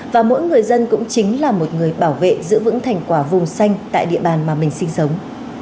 và mỗi người dân cũng chính là một người bảo vệ giữ vững thành quả vùng xanh tại địa bàn mà mình sinh sống